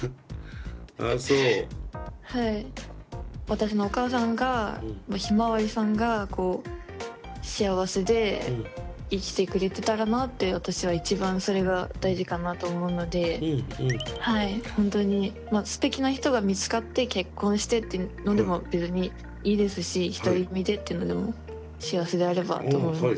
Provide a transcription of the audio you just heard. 私のお母さんがひまわりさんが幸せで生きてくれてたらなって私は一番それが大事かなと思うのでほんとにすてきな人が見つかって結婚してってのでも別にいいですし独り身でっていうのでも幸せであればと思います。